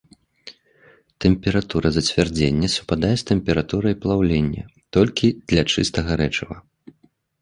Тэмпература зацвярдзення супадае з тэмпературай плаўлення толькі для чыстага рэчыва.